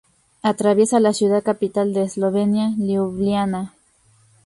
Atraviesa la ciudad capital de Eslovenia, Liubliana.